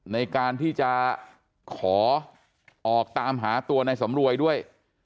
ในการที่จะขอออกตามหาตัวในสำรวยด้วย